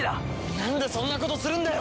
なんでそんなことするんだよ！？